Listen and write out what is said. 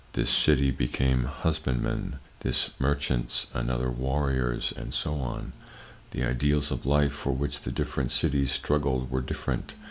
This city became husbandmen, this, merchants, another warriors, and so on. The ideals of life for which the different cities struggled were different.